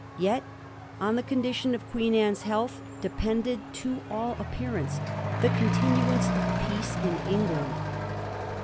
Yet on the condition of Queen Anne's health depended to all appearance the continu ance of peace in England.